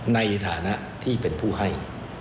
ในฐานะที่เป็นผู้ให้